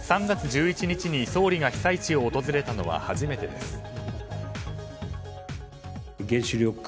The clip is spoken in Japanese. ３月１１日に総理が被災地を訪れたのは初めてです。